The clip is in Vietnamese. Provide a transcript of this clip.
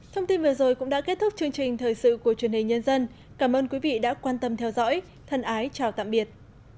thông tin vừa rồi cũng đã kết thúc chương trình thời sự của truyền hình nhân dân cảm ơn quý vị đã quan tâm theo dõi thân ái chào tạm biệt